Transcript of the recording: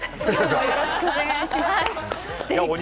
よろしくお願いします。